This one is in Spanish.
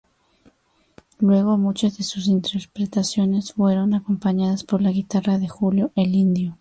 Luego muchas de sus interpretaciones fueron acompañadas por la guitarra de Julio "el Indio".